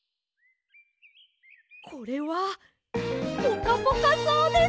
これはポカポカそうです！